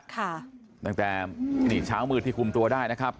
ค่ะตั้งแต่อืมอืมรึงนี้เช้ามืดที่คุมตัวได้นะครับ